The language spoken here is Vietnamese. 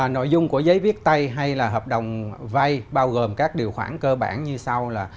nội dung của giấy viết tay hay là hợp đồng vay bao gồm các điều khoản cơ bản như sau là